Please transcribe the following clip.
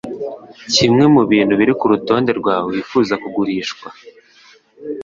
Kimwe mubintu biri kurutonde rwawe wifuza kugurishwa.